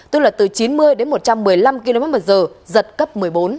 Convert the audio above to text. tức là từ chín mươi đến một trăm một mươi năm kmh giật cấp một mươi bốn